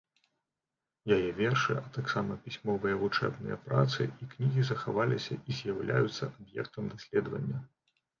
Яе вершы, а таксама пісьмовыя вучэбныя працы і кнігі захаваліся і з'яўляюцца аб'ектам даследавання.